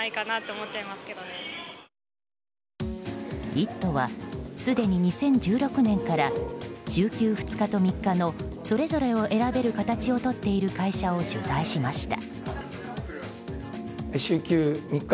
「イット！」は、すでに２０１６年から週休２日と３日のそれぞれを選べる形をとっている会社を取材しました。